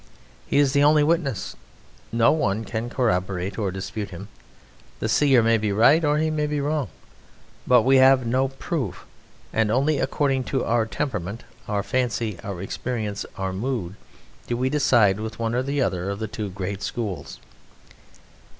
He is the only witness; no one can corroborate or dispute him. The seer may be right or he may be wrong, but we have no proof and only according to our temperament, our fancy, our experience, our mood, do we decide with one or the other of the two great schools.